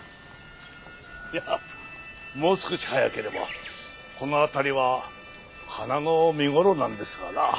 いやもう少し早ければこの辺りは花の見頃なんですがな。